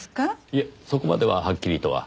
いえそこまでははっきりとは。